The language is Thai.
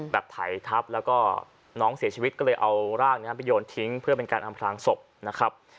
ไถทับแล้วก็น้องเสียชีวิตก็เลยเอาร่างไปโยนทิ้งเพื่อเป็นการอำพลางศพนะครับ